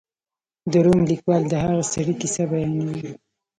د روم لیکوال د هغه سړي کیسه بیانوي.